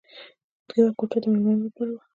یوه کوټه د مېلمنو لپاره وه